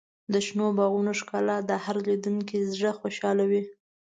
د شنو باغونو ښکلا د هر لیدونکي زړه خوشحالوي.